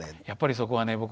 やっぱりそこはね